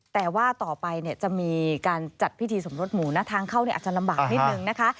แต่ว่าต่อไปเนี่ยจะมีการจัดพิธีสมรสหมูนะทางเข้าอาจจะลำบากนิดนึงนะคะ